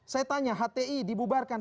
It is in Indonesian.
saya tanya hti dibubarkan